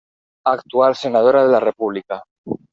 Actual Senadora de la República.